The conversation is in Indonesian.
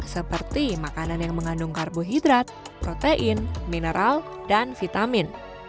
seperti makanan yang mengandung karbohidrat protein mineral dan vitamin